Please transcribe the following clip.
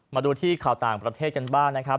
มาดูที่ข่าวต่างประเทศกันบ้างนะครับ